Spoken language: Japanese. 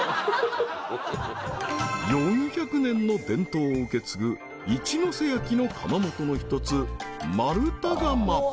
［４００年の伝統を受け継ぐ一の瀬焼の窯元の一つ］